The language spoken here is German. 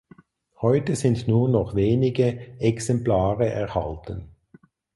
Heute sind nur noch wenige Exemplare erhalten.